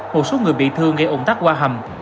một số người bị thương gây ủng tắc qua hầm